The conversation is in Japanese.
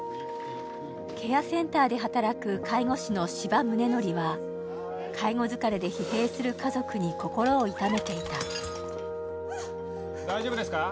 ケアセンターで働く介護士の斯波宗典は介護疲れで疲弊する家族に心を痛めていた大丈夫ですか？